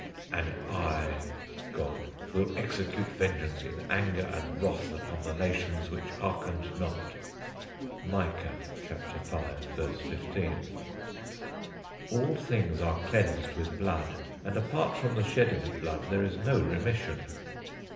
And I [God] will execute vengeance in anger and wrath upon the nations which hearkened not. Micah 5;15. All things are cleansed with blood, and apart from the shedding of blood there is no remission.